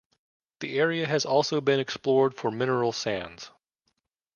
The area has also been explored for mineral sands.